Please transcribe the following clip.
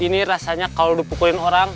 ini rasanya kalau dipukulin orang